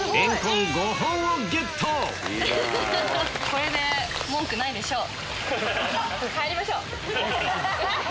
これで文句ないでしょう。